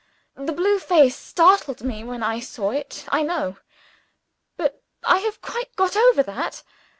The blue face startled me when I saw it, I know. But I have quite got over that.